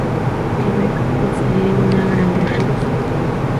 Quebec posee una grandes ríos.